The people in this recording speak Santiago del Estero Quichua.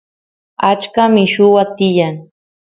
achka milluwa tiyan